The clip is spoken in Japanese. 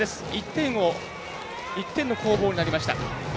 １点の攻防になりました。